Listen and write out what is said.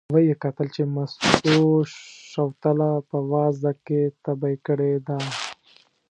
و یې کتل چې مستو شوتله په وازده کې تبی کړې ده.